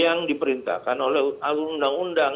yang diperintahkan oleh alur undang undang